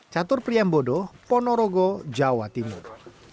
catur priambodo ponorogo jawa timur